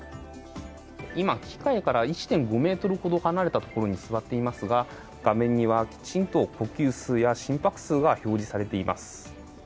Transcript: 今、機械から１．５ｍほど離れたところに座っていますが画面にはきちんと呼吸数や心拍数が表示されています。